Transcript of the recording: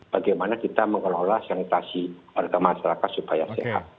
bagaimana kita mengelola sanitasi warga masyarakat supaya sehat